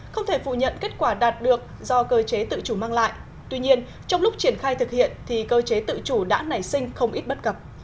không thể phủ nhận kết quả đạt được do cơ chế tự chủ mang lại tuy nhiên trong lúc triển khai thực hiện thì cơ chế tự chủ đã nảy sinh không ít bất cập